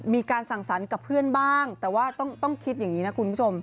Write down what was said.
มีการสั่งสรรค์กับเพื่อนบ้างแต่ว่าต้องคิดอย่างนี้นะคุณผู้ชม